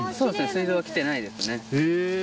水道はきてないですね。